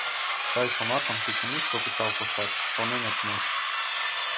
Сай шомакым кече мучко кычал коштат — шонен от му.